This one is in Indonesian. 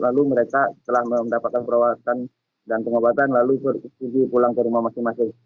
lalu mereka telah mendapatkan perawatan dan pengobatan lalu pulang ke rumah masing masing